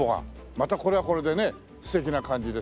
またこれはこれでね素敵な感じですよね。